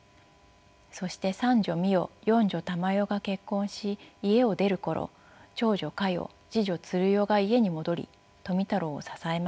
そして三女巳代四女玉代が結婚し家を出る頃長女香代次女鶴代が家に戻り富太郎を支えました。